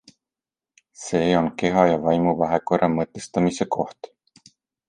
See on keha ja vaimu vahekorra mõtestamise koht.